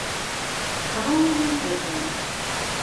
Xḍu i yir iberdan.